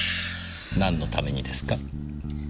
なんのためにですか？